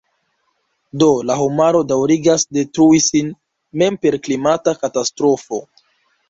Do la homaro daŭrigas detrui sin mem per klimata katastrofo.